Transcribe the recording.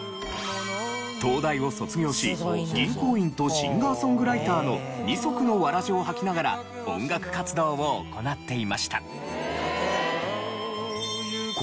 東大を卒業し銀行員とシンガーソングライターの二足のわらじをはきながら音楽活動を行っていました。